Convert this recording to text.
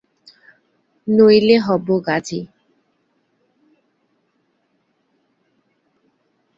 নইলে হবো গাজী।।